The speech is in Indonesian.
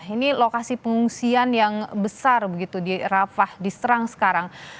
ini lokasi pengungsian yang besar begitu di rafah diserang sekarang